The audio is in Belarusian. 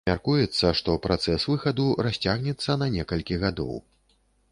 Мяркуецца, што працэс выхаду расцягнецца на некалькі гадоў.